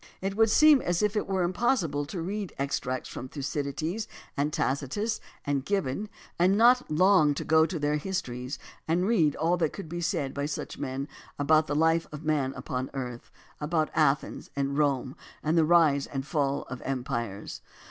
It would seem as if it were impossible to read extracts from Thucydides and Tacitus and Gibbon and not long to go to their histories and read all that could be said by such men about the life of man upon earth, about Athens and Rome and the rise and fall of empires.